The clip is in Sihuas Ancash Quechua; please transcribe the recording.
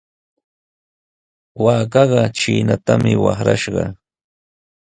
Waakaqa trinatami watrashqa.